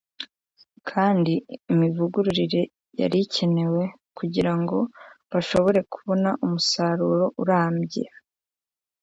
kandi imivugururire yari ikenewe kugira ngo bashobore kubona umusaruro urambye